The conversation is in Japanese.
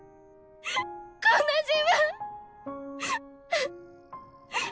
こんな自分。